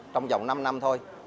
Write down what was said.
trong vòng năm năm thôi